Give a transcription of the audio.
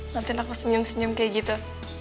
nanti aku senyum senyum kayak gitu